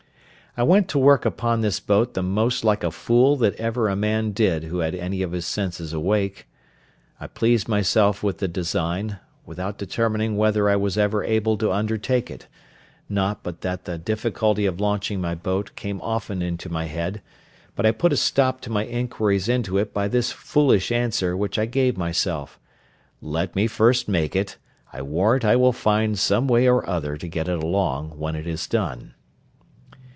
I went to work upon this boat the most like a fool that ever man did who had any of his senses awake. I pleased myself with the design, without determining whether I was ever able to undertake it; not but that the difficulty of launching my boat came often into my head; but I put a stop to my inquiries into it by this foolish answer which I gave myself—"Let me first make it; I warrant I will find some way or other to get it along when it is done."